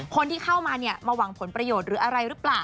คนที่เข้ามามาหวังผลประโยชน์หรืออะไรหรือเปล่า